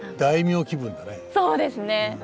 そうですね。